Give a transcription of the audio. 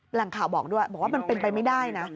แหล่งข่าวบอกด้วยบอกว่ามันเป็นไปไม่ได้นะ